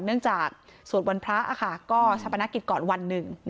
เนื่องจากสวดวันพระก็ชะปนกิจก่อนวันหนึ่ง